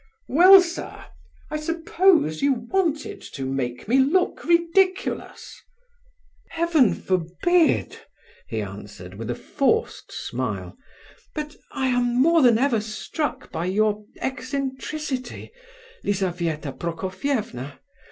"Well, sir, I suppose you wanted to make me look ridiculous?" "Heaven forbid!" he answered, with a forced smile. "But I am more than ever struck by your eccentricity, Lizabetha Prokofievna.